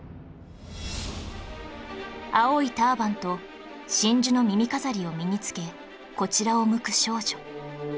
青いターバンと真珠の耳飾りを身につけこちらを向く少女